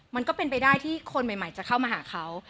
มันก็เป็นไปได้ที่คนใหม่จะเข้ามาหาเขา